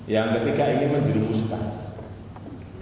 yang ketiga ingin menjerumuskan